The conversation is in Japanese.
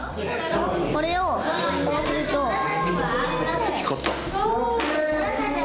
これをこうすると、光った。